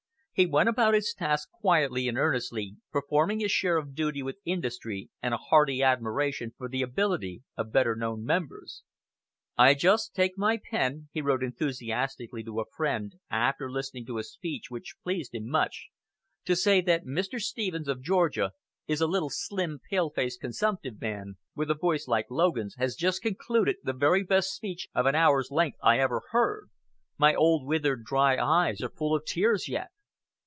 He went about his task quietly and earnestly, performing his share of duty with industry and a hearty admiration for the ability of better known members. "I just take my pen," he wrote enthusiastically to a friend after listening to a speech which pleased him much, "to say that Mr. Stephens, of Georgia, is a little slim, pale faced consumptive man, with a voice like Logan's, has just concluded the very best speech of an hour's length I ever heard. My old withered, dry eyes are full of tears yet."